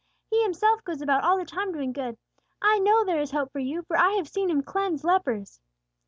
He Himself goes about all the time doing good. I know there is hope for you, for I have seen Him cleanse lepers."